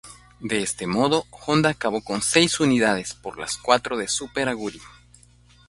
De este modo, Honda acabó con seis unidades, por las cuatro de Super Aguri.